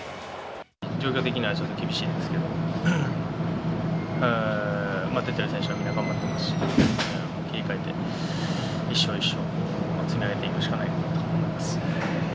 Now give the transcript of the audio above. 状況的にはちょっと厳しいんですけど、出ている選手はみんな頑張ってますし、切り替えて一勝一勝積み上げていくしかないかなと思います。